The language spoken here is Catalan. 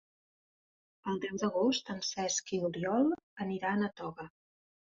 El deu d'agost en Cesc i n'Oriol aniran a Toga.